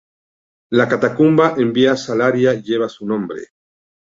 La catacumba en Vía Salaria lleva su nombre.